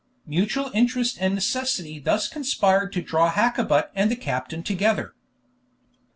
Mutual interest and necessity thus conspired to draw Hakkabut and the captain together.